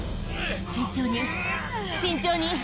慎重に慎重に。